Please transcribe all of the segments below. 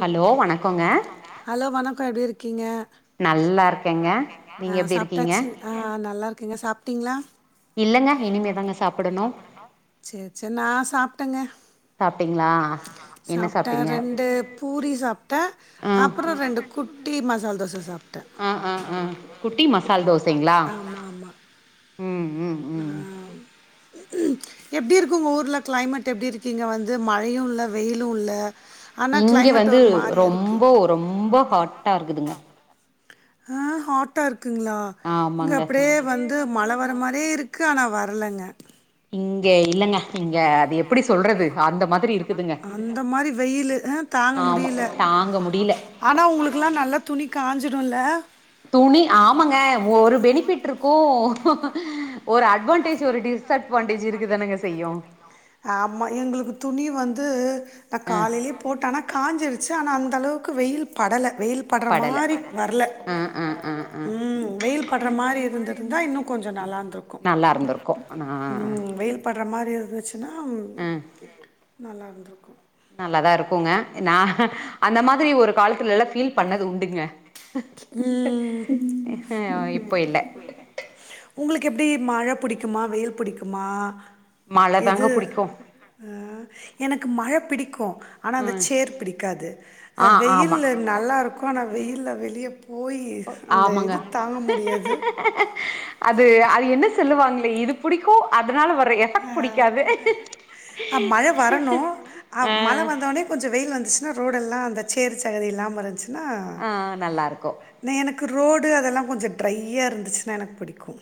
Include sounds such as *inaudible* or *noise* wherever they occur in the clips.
Hello வணக்கோங்க hello வணக்கோ எப்டி இருக்கீங்க நல்லா இருக்கேங்க நீங்க ஆஹ் எப்டி இருக்கீங்க சாப்ட்டாச்சு ஆஹ் நல்லா இருக்கங்கா சாப் டீங்ளா இல்லங்க இனிமே தாங்க சாப்பிடணு சேர் சேர் நா சாப்ட்டங்க சாப்ட்டீங்ளா என்ன சாப் ட்டன் ரெண்டு பூரி சாப்ட்டே ஆ அப்புறம் ரெண்டு குட்டி மசால் தோச சாப்ட்டே ஆஹ் ஆஹ் குட்டி மசால் தோசைங்ளா ஆமா ஆமா ம் ம் ம் எப்டி இருக்கு உங்கள் ஊர்ல கிளைமேட் எப்டி இருக்கீங்க வந்து மழையும் இல்ல வெயிலு இல்ல ஆனா இங்க கிளைமேட் வந்து ஒரு மாரியா இருக்கு ரொம்போ ரொம்போ ஹாட்டா இருக்குதுங்க ஹ ஹாட்டா இருக்குங்ளா இங்க ஆமாங்க அப்டியே வந்து மழ வர மாரியே இருக்கு ஆனா வர வரலங்க இங்க இல்லங்க இங்க அது எப் எப்டி சொல்றது அந்த மாதிரி இருக்குதுங்க அந்த மாரி வெயிலு ஆ தாங்க ஆமா முடியல தாங்க முடில ஆனா உங்குளுக்குலா நல்லா துணி காஞ்சிடுல துணி ஆமாங்க ஒரு பெனிஃபிட் இருக்கோ ஒரு அட்வான்டேஜ் ஒரு டிஸ்அட்வான்டேஜ் இருக்கதாங்க செய்யு ஆமா எங்குளுக்கு துணி வந்து நா அ காலைலயே போட்டானா காஞ்சிருது ச்சு ஆனா அந்தளவுக்கு வெயில் படல வெயில் பட்ற படல மாரி வர்ல அ அ அ அ ம் வெயில் பட்ற மாரி இருந்திருந்தா இன்னோ கொஞ் சோ நல்லாந்திருக்கோ நல்லா இருந்திருக்கு நா ம் வெயில் பட்ற மாரி இருந்துச்சுனா அ நல்லா இருந்திருக்கோ நல்லாதா இருக்கோங்க நா அந்த மாதிரி ஒரு காலத்துலலா ஃபீல் பண்ணது உண்டுங்க ம் ஹு இப்போ இல்ல உங்களுக்கு எப்டி மழ பிடிக்குமா வெயில் பிடிக்குமா மழ தாங்க எது புடிக்கு ஆ எனக்கு மழ பிடிக்கோ ஆனா அந்த ம் சேர் பிடிக்காது ஆ அ வெயில் ஆமா நல்லா இருக்கோ ஆனா வெயில்ல வெளி ஆமாங்க முடியாது. அது அது என்ன சொல்லுவாங்க இது பிடிக்கோ அதனால வந் அ அ மழ வரணோ அ மழ வந்தவொட்னே கொஞ்சோ வெயில் வந்துச்சுன்னா ரோடெல்லா அந்த சேர் சகதி இல்லாம இருந்துச்சுன்னா ஆ நல்லாருக்கு எனக்கு இப்போ ரோடு அதெல்லா கொஞ்சோ ட்ரையா இருந்துச்சுனா எனக்கு பிடிக்கு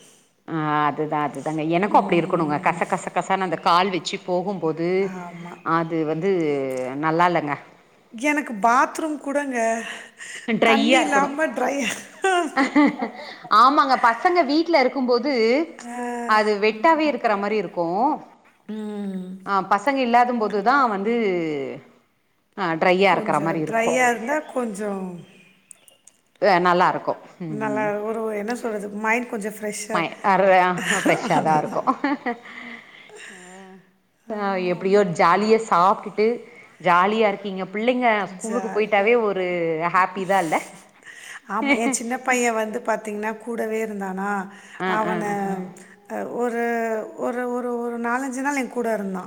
ஆ அதுதா அதுதாங்க எனக்கோ அப்டி இருக்கணோங்க கச கச கசன்னு அந்த கால் வெச்சு போகும்போது ஆமா. அது வந்து நல்லா இல்லங்க எனக்கு பாத்ரூம் கூடங்க தண்ணி ட்ரையா இருக்கணோ இல்லாம ட்ரையா ஆமாங்க பசங்க வீட்ல இருக் அது வெட்டாவே இருக்குற மாரி இருக்கோ ஆ பசங்க இல்லாத போதுந்தா வந்து ஆ ட்ரையா இருக்குற கொஞ்சம் மாரி இருக்கோ ட்ரையா இருந்தா கொஞ்சம் ஆ நல்லா இருக்கோ ம் நல்லா ம் ஒரு என்ன சொல்றது மைண்ட் கொஞ்சம் ஃப்ரெஷ்ஷா ம அதுலயா ஃப்ரெஷ்ஷாதா இருக்கோ அதுதான் அ ஆமா எப்டியோ ஆமா ஜாலியா சாப்ட்டுட்டு ஜாலியா இருக்கீங்க பிள்ளைங்க ஸ்கூலுக்கு ஜாலியா போயிட்டாவே ஒரு ஹாப்பி தா இல்ல ஆமா ஏ சின்ன பைய வந் து பாத்தீங்கன்னா கூடவே இருந்தானா ஆ ஆ அவன ஒர் ஒரு ஒரு ஒரு ஒரு நாலஞ்சு நாள் என் கூட இருந்தா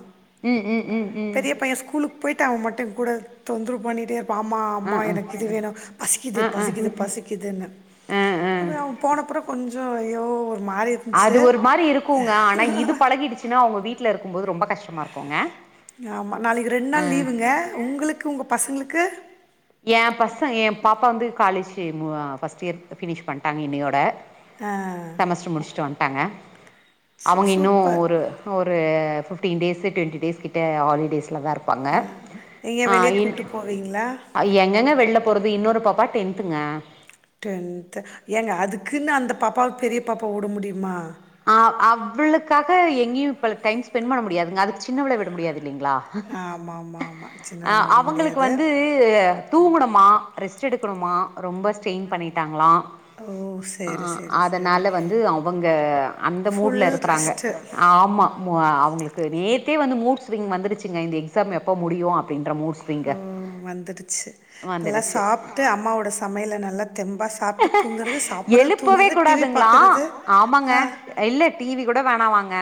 ம் ம் ம் ம் பெரியப்பைய ஸ்கூலுக்கு போய்ட்டு அவ மட்டு கூட தொந்துரவு பண்ணிட்டே பாமா ஆ அம்மா ஆ எனக்கு இது வேணோ பசிக்குது ஆ ஆ பசிக்குது பசிக்குதுன்னு ஆ ஆ அப்டியே அவ போனப்புறோ கொஞ்சோ அய்யோ அது ஒரு மாரி இருக்குங்க ஆனா இது பழகிடுச்சுன்னா அவுங்க வீட்ல இருக்கும் போது ரொம்போ கஷ்டமா இருக்கோங்க ஆமா நாளிக்கு ரெண்ட் நாள் லீவுங்க உங்குளுக்கு உங்க பசங்குளுக்கு ஏ பசங் ஏ பாப்பா வந்து காலேஜு மு ஃபர்ஸ்ட் இயர் ஃபினிஷ் பண்ட்டாங்க இன்னியோட ஆ. செமஸ்ட்ரு முடிச்சுட்டு வந்ட்டாங்க ச அவங்க இன்னோ சூப்பர். ஒரு ஒரு ஃபிஃப்டீன் டேஸு ட்டுவெண்ட்டி டேஸ் கிட்ட ஹாலிடேஸ் வீட்லதா இருப்பாங்க எங்கேயா ஆ வெளிய இ கூட்டு போவீங்களா? அ எங்கங்க வெள்ல போறது இன்னோரு பாப்பா டென்த்துங்க டென்த் ஏங்க அதுக்குன்னு அந்த பாப்பாவ பெரிய பாப்பா உட முடியுமா ஆ அவளுக்காக எங்கேயு இப்ப அதுக் டைம் ஸ்பெண்ட் பண்ண முடியாதுங்க அதுக் சின்னவள விட முடியாது ஆமா ஆமா ஆமா அ அவங்களுக்கு வந்து தூங்கணுமா ரெஸ்ட் எடுக்கணுமா ரொம்ப ஸ்ட்ரெயின் பண்ணிட்டாங்களா ஓ அ சரி, சரி, சரி. அதனால வந்து அவங்க அந்த மூட்ல ஃபுல் இருக்குறாங்க ரெஸ்ட்டு. ஆமா அ அவுங்களுக்கு நேத்தே வந்து மூட்ஸ்விங் வந்துருச்சுங்க இந்த எக்ஸாம் எப்ப முடியு அப் ஓ வந்துடுச்சு நல்லா வந்துருச்சு சாப்ட்டு அம்மாவோட சமையல நல்லா தெம்பா சா எழுப்பவே கூடாதுங்ளா பாக்குறது. ஆமாங்க ஆ இல்ல டிவி கூட வேணாமா ங்க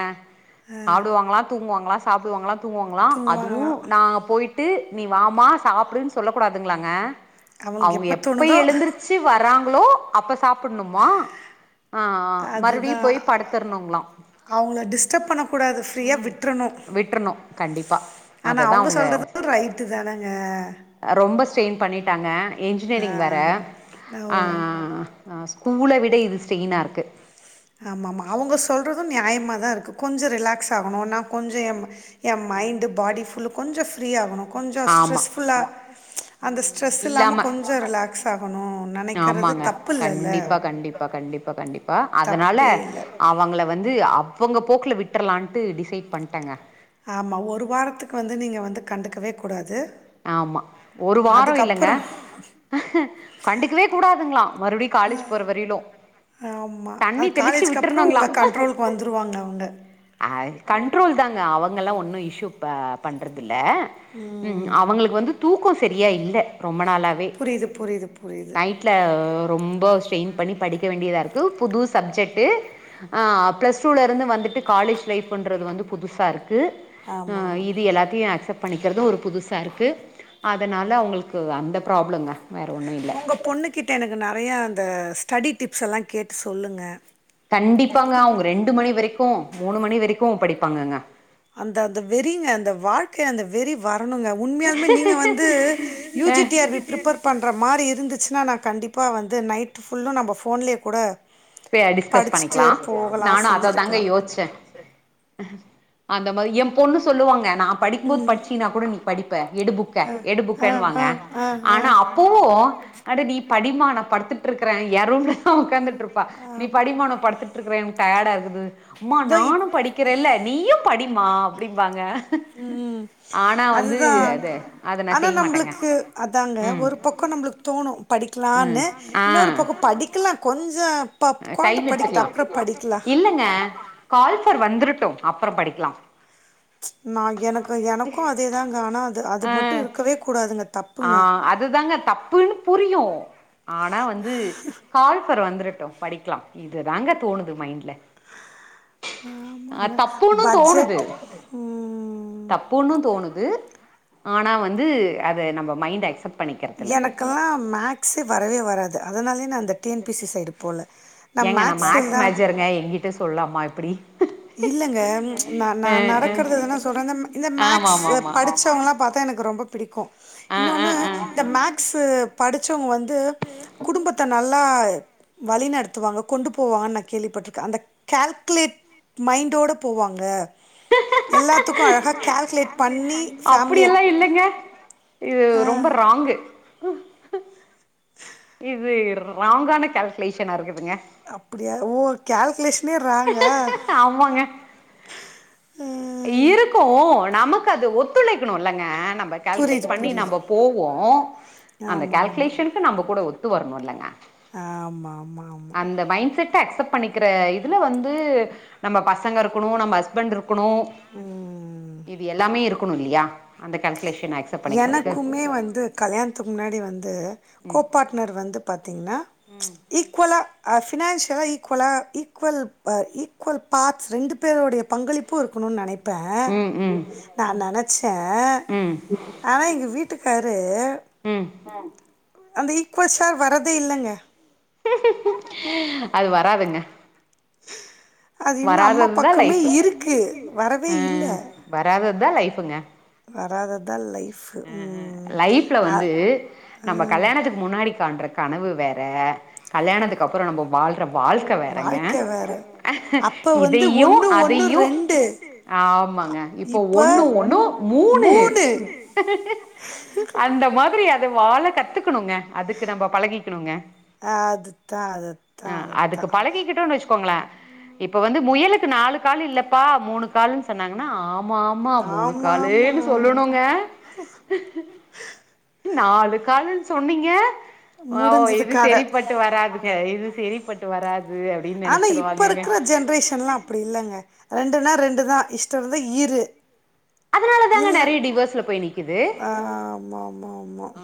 சாப்டுவாங்களா தூங்குவாங் களா சாப்டுவாங்ளா தூங்குவாங்ளா அதுவு தூங்குவாங்களாம். நாங்க போய்ட்டு நீ வாமா சாப்டுன் சொல்ல கூடாதுங்ளாங்க அவங்களுக்கு அவுங்க எப்ப தோணுதோ! எழுந்தருச்சி வராங்ளோ அப்ப சாப்புட்ணுமா ஆ மறுபடியு போய் படுத்துர்ணுங்ளா அவுங்கள டிஸ்டர்ப் பண்ணக் கூடாது ஃப்ரீயா விட்றணு விட்றணு கண்டிப்பா ஆனா அவுங்க சொல்றது ரைட்டு தானங்க ரொம்ப ஸ்ட்ரெயின் பண்ணிட்டாங்க இன்ஜினியரிங் வேற ன்னாவோ ஆ ஆ ஆ ஸ்கூல விட இது ஸ்டெய்னா இருக்கு ஆமாமா அவுங்க சொல்றது நியாயமாதா இருக்கு கொஞ்சொ ரிலாக்ஸ் ஆகணுன்னா கொஞ்சொ எம் என் மைண்டு பாடி ஃபுல்லு கொஞ்சொ ஃப்ரீ ஆகணு கொஞ்சொ ஆமா ஸ்ட்ரெஸ்ஃபுல்லா அந்த ஸ்ட்ரெஸ் இல்லாம கொஞ்சொ ரிலாக்ஸ் ஆகணு ஆமாங்க கண்டிப்பா கண்டிப்பா கண்டிப்பா கண்டிப்பா அதனால தப்பே இல்லை அவங்கள வந்து அவங்க போக்குல விட்ரலான்ட்டு டிசைட் பண்ட்டங்க ஆமா ஒரு வாரத்துக்கு வந்து நீங்க வந்து கண்டுக்கவே கூடாது ஆமா ஒரு வாரொ இல்லங்க அதுக்கப்புறம் கண்டுக்கவே கூடாதுங்ளா மறுபடியு காலேஜ் போற வரையிலு ஆமா தண்ணி அது தெளிச்சு காலேஜ்க்கு அப்றோ உங்க விட்றணுங்களா கண்ட்ரோலுக்கு வந்துருவாங்க அவுங்க அ கண்ட்ரோல் தாங்க அவங்கல்லா ஒன்னு இஷு ப பண்றதுல்ல ம் அவங்களுக்கு வந்து தூக்கோ செரியா இல்ல ரொம் ரொம்ப நாளாவே புரியுது, புரியுது, புரியுது. டைட்ல ரொம்ப ஸ்ரெய்ன் பண்ணி படிக்க வேண்டியதா இருக்கு புது சப்ஜெக்டு ஆ பிளஸ் டூல இருந்து வந்துட்டு காலேஜ் லைஃப்ண்றது து வந்து புதுசா இருக்கு அ ஆமாமா. இது எல்லாத்தையு அக்செப்ட் பண்ணிக்கிறதூ ஒரு புதுசு சாருக்கு அதனால அவுங்களுக்கு அந்த ப்ராப்ளங்க வேற ஒன்னு இல்ல உங்க பொண்ணு கிட்ட எனக்கு நறைய அந்த ஸ்டடி டிப்ஸ் எல்லா கேட்டு சொல்லுங்க கண்டிப்பாங்க அவுங்க ரெண்டு மணி வெரைக்கூ மூணு மணி வெரைக்கூ படிப்பாங்கங்க அந்த அந்த வெறிங்க அந்த வாழ்க்கை அந்த வெறி வ ரனுங்க உண்மையாலுமே நீங்க வந்து ஆ UG T R B prepare பண்ற மாரி இருந்துச்சுன்னா நா கண்டிப்பா வந்து நைட்டு் ஃபுல்லு நம்ப ஃபோன்லயே கூட பே டிஸ்கஸ் படிச்சுட்டு பண்ணிக்லா போகலாம், நானு அத தாங்க செஞ்சிருக்கலாம். யோஸ்ச்ச அந்த மாரி என் பொண்ணு சொல்லுவாங்க நா படிக்கும் போது படிச்சீன்னா கூட நீ படிப்ப எடு புக்க அ, எடு அ, புக்கன்னுவாங்க அ, அ, ஆனா அ, அப்பவு அட நீ படிம்மா நா படுத்துட்டுருக்குற ஏன் ரூம்ல தா உக்காந்துட்ருப்பா நீ ஆமா. படிமா நா படுத்துட்ருக்குற டயர்டா இருக்குது அம்மா இதோ இப் நானு படிக்கிறேல்ல நீயும் படிம்மா அப்டிம்பாங்க ம் ஆனா வந்து அதுதா அது அத நா ஆனா செய்ய மாட்டேங்க நம்புளுக்கு அதாங்க ம் ஒரு பக்கொ நம்பளுக்கு தோணு ம் படிக்கலான்னு இன்னொரு பக்கொ படிக்லா கொஞ்சொ அ டைம் எடுத்துக்லா இல்லங்க கால்ப வந்துருட்டூ அப்பறம் படிக்லாம் நா எனக்கு எனக்கூ அதேதாங்க ஆனா அது அது ஆ மட்டு இருக்கவே கூடாதுங்க தப் ஆ அதுதாங்க தப்புன்னு புரியு ஆனா வந்து கால் ஃபார் வந்துருட்டு படிக்லா இது தாங்க தோணுது மைண்ட்ல அ ஆமாங்க தப்புன்னும் பட்ஜெட் தோணுது ம் தப்புன்னும் தோணுது ஆனா வந்து அத நம்ம மைண்ட் அக்சப்ட் எனக்கல்லா மேக்ஸு வரவே வராது அதனாலயே நா அந்த டி என் பிசி சைடு போல ஏங்க நா மேக்ஸ் மேஜருங்க எங்கிட்ட சொல்லாமா இப்பிடி இல்லங்க நா நா ஆ நடக்கறததான சொல்ற இந்த இந்த ஆமா மேக்ஸ் ஆமா ஆமா படிச்சவங்கல்லா பாத்தா எனக்கு ரொம்ப பிடிக்கு ஆ இன்னொன்னு ஆ ஆ என்ன இந்த மேக்ஸ்சு படிச்சவங்க வந்து குடும்பத்த நல்லா வழிநடத்துவாங்க கொண்டு போவாங்கன் நா கேள்விப்பட்ருக்கே அந்த கேல்குலேட் மைண்டோட போவாங்க எல்லாத்துக்கு அழகா கேல்குலேட் பண்ணி ஃபேமிலிய அப்படியெல்லா இல்லைங்க இது ஆ ரொம்ப ராங்கு இர்ரு ராங்கான கேல்குலேஷனா இருக்குதுங்க அப்புடியா ஓ கேல்குலேஷ் லே ராங்கா ஆமாங்க ம் இருக்கு நமக்கு அது ஒத்துழைக்கணு இல்லங்க நம்ப புரியுது கேல்குலேட் பண்ணி புரியுது நம்ப போவோ அந்த ஆமா ஆமா கேல்குலேஷனுக்கு நம்ம கூட ஒத் து வர்ணுலங்க ஆமா மா மா கிற இதுல வந்து நம்ப பசங்கருக்குணு நம்ம ஹஸ்பண்ட் ருக்குணு ம் இது எல்லாமே இருக்கணு இல்லியா அந்த கேல்குலேஷனாய் எனக்குமே வந்து கல்யாண்த்துக்கு முன்னாடி வந்து ம் கோபாட்னர் வந்து பாத்தீங்னா ம் ஈக்வொலா ஆஃப் ஃபினான்ஷியலா ஈக்குவலா ஈக்குவல்ப் அ ஈக்குவல் பாத் ரெண்டுப் பேருடைய பங்களிப்பு இருக்கணுன் நெனைப் ப்பே ம் நா நெனைச்சே ம் ஆனா எங்க வீட்டுக்காரு உம் அந்த ஈக்வல் ஷேர் வரதே இல்லங்க அது வராதுங்க அது இன்னும் அம்மா வராததுதா பக்கமே லைஃபு இருக்குது வரவே அ இல்லை வராததுதா லைஃபுங்க வராதது அ அ லைஃப்ல வந்து நம்ப கல்யாணத்துக்கு முன்னாடி காண்ற கனவு வேற கல்யாணத்துக்கு அப்பற நம்ப பால் ட்ற வாழ்க்க வேறங்க வாழ்க்க வேற அப்ப வந்து இதையு ஒண்ணு ஒண்ணு அதையு ரெண்டு ஆமங்க இப்போ இப்ப ஒன்னு ஒன்னு மூனு மூணு அந்த மாதிரி அத வாழ கத்துக்கணுங்க அதுக்கு நம்ம பழகிக்கிணுங்க அதுத்தா அதுத்தா அ அதுத்தா அதுக்கு பழகிகிட்டோன்னு வச்சுக்கோங்களே இப்ப வந்து முயலுக்கு நாலு கால் இல்லப்பா மூனு காலுன் சொன்னாங்கனா ஆ ஆமா ஆமா மூனு ஆமா ஆமா காலூனு சொல்லணுங்க நாலு காலுன் சொன்னீங்க ஆ முடிஞ்சது இது கத செரிப்பட்டு வராதுங்க இது செரி பட்டு வராது அப்டின்னு ஆனா இப்ப நெனச்சிருவாங்கங்க இருக்கிற ஜென்ரேஷன்லா அப்டி இல்லங்க ரெண்டுனா ரெண் டுதா இஷ்டருந்தா இரு அதனால தாங்க இல்லன் நெறைய டிவோர்ஸ்ல போய் நிக்குது ஆ ஆமா ஆமா ஆ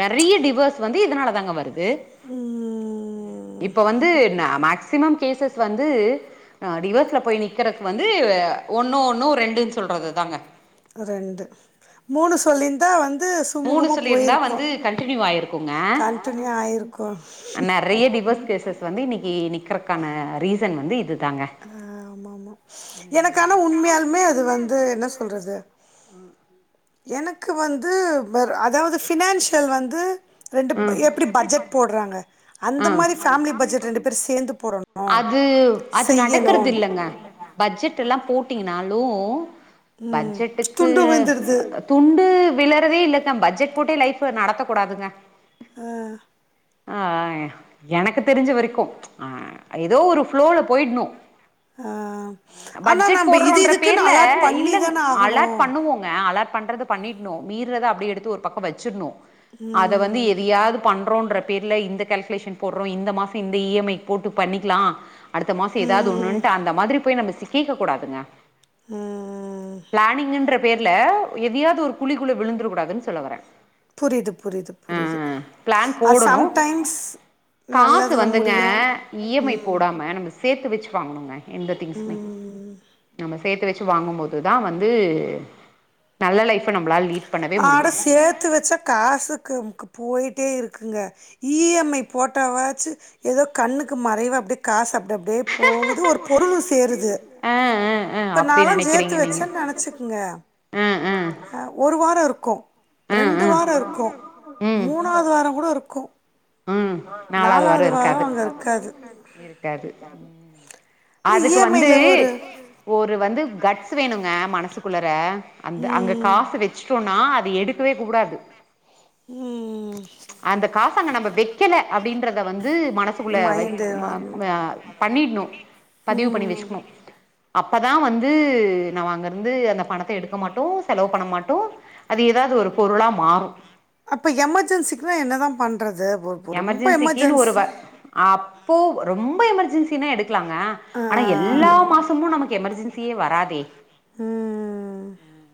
நெறைய டிவேஸ் வந்து இதனாலதாங்க வருது ம் இப்ப வந்து ந மேக்சிமம் கேசஸ் வந்து அ டிவஸ்ல போய் நிக்கறக் வந்து அ ஒன்னு ஒன்னு ரெண்டுன் சொல்றதுதாங்க ரெண்டு மூனு சொல்லிந்தா வந் து மூணு சுமூகமா சொல்லியிருந்தா போயிருக்கு வந்து கண்டினியூ ஆயிருக்குங்க கன்ட்டினியூ ஆயிருக்கு டிவஸ் கேசஸ் வந்து இன்னிக்கு நிக்கிறக்கான ரீசன் வந்து இது ஆ ஆமா மா எனக்கானா உண்மையால்மே அது வந்து என்ன சொல்றது உம் எனக்கு வந்து வர் அதாவது ஃபினான்ஷியல் வந்து ரெண்டுப் ம் எப்டி பட்ஜட் போட்றாங்க அந்த ம் மாரி ஃபேமிலி பட்ஜெட் ரெண்டு பேர் சேந்து போடணு அது அது செய்யணு நடக்கறது இல்லங்க பட்ஜெட் எல்லா போட்டீங்கனா லு ம் பட்ஜெட்டுக்கு துண்டு விழுந்துருது துண்டு விளறதே இல்லக்கா பட்ஜெட் போட்டு லைஃப்ப நடத்தக்கூடாதுங்க ஆ அஹ் எனக்கு தெரிஞ்ச வரைக்கும் அஹ் ஏதோ ஒரு ப்ளோல போயிட்ணு ஆ ஆனா பட்ஜெட் நம்ப இது போடுறோன்ற இதுக்குன்னு பேர்ல அலாட் பண்ணி இல்லங் தான ஆகணு அலார்ட் பண்ணுவோங்க அலார்ட் பண்றது பண்ணிட்னு மீற்த அப்டியே எடுத்து ஒரு பக்கோ வச்சிட்ணு அத வந்து ம் எதையாவது பண்றோன்ற பேர்ல இந்த கால்குலேஷன் போடுறோ இந்த மாசம் இந்த இ எம் ஐக் போட்டு பண்ணிக்லா அடுத்த மாசம் ஏதாவது ஒண்ணுன்ட்டு அந்த மாதிரி போய் நம்ம சிக்கிக்க கூடாதுங்க ம் பிளானிங்ன்ற பேர்ல எதையாவது ஒரு குழிக்குல விழுந்துர கூடாதுன்னு சொல்ல வறே புரியுது புரியுது புரியுது பிளான் அது போடணு சம்டைம்ஸ் காசு நல்லதுல வந்துங்க முடியு இ எம் ஐ ம் போடாம நம்ம சேர்த்து வச்சு வாங்கணுங்க எந்த திங்ஸுமே ம் நம்ம சேர்த்து வெச்சு வாங்கும் போது தா வந் து நல்ல லைஃப் நம்மளால் லீட் பண்ணவே முடியு ஆட சேர்த்து வச்சா காசுக்குக்கும் போயிட் டே இருக்குங்க இ எம் ஐ போட்டாவாச்சு எதோ கண்ணுக்கு மறைவா அப்டியே காசப் ப்டியே அப்டியே போகுது ஒரு பொருளு சேருது இப்ப போயிட்டே இருக்கு நாலா சேத்து நாள்ளா ஜேத்து வச்சேன்னு நெனைச்சுக்குங்க ஒரு வா ரோ இருக்கு ரெண்டு வாரோ இருக்கு நெனச்சே மூணாவது வாரோ கூட இருக்கு ம் நாலாவது வாரோ இருக்காது இருக்காது ம் இ அதுக்கு எம் ஐ வந்து ல ஒரு ஒரு வந்து கட்ஸ் வேணுங்க மனசுக்குள்ளற அந்த அங்க ம் காசு வச்சுட்டோம்னா அது எடுக் கவே கூடாது ம் அந்த காசங்க நம்ம வெக்கல அப்டின்றத வந் து மனசுக்குள்ள வெக் மைண்டு ம வரணு வ பண்ணிட்ணு பதிவு பண்ணி ம் வெச்சுக்கணு அப்பதா வந்து நாம அங்கிருந்து அந்த பணத்தை எடுக்க மாட்டோ செலவு பண்ண மாட்டோ அது ஏதாவது ஒரு பொருளா மாறு அப்ப எமர்ஜென்ஸிக்குனா என்ன தா பண் எமர்ஜென்சிக்குன்னு ஒருவ அப் போ ரொம்போ எமர்ஜென்சினா எடுக்கலாங்க ஆ, ஆனா எல்லா மாசமும் நமக்கு எமர்ஜென் சி வராதே ம்.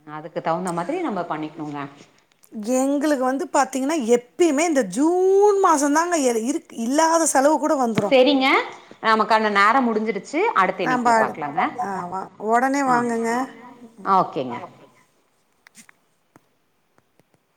ஹ அதுக்கு தகுந்த மாதிரி நம்ம பண்ணிக்கணும்க எங்களுக்கு வந்து பாத்தீங்கன்னா எப்பயுமே இந்த ஜூன் மாசோ தாங்க இரு இல்லாத செலவு கூட வந்துடும் செரிங்க நமக்கான அந்த நேரோ முடிஞ்சிருச் சி அடுத்த நம்ம இணைப்பல பாக்கலாங்க ஆமா உடனே ஒகே வாங்குங்க ஆ ஓகேங்க *inaudible*